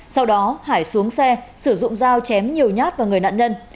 sau đó hải xuống xe sử dụng dao chém nhiều nhát vào người nạn nhân